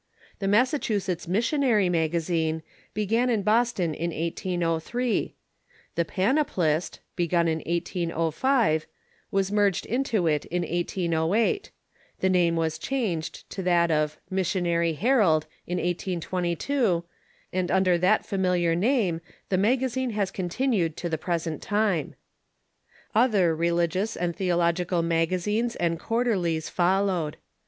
The Massachusetts 3Iissionary Magazine began in Boston in 1803; The Panoplist (begun in 1805) was merged into it in 1808; the name was changed to that of Missionary Herald in 1822; and under that familiar name the magazine has continued to the present time. Other religious and theological magazines and quarterlies followed.